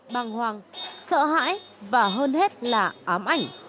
bàng hoàng sợ hãi và hơn hết là ám ảnh